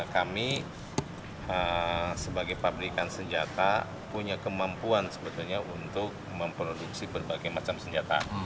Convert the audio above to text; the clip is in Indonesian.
kami sebagai pabrikan senjata punya kemampuan sebetulnya untuk memproduksi berbagai macam senjata